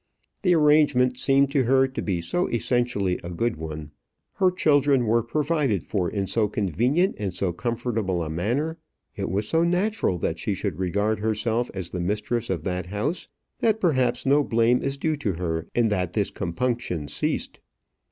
The arrangement seemed to her to be so essentially a good one, her children were provided for in so convenient and so comfortable a manner, it was so natural that she should regard herself as the mistress of that house, that perhaps no blame is due to her in that this compunction ceased.